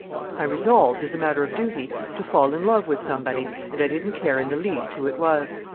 I resolved, as a matter of duty, to fall in love with somebody, and I didn't care in the least who it was.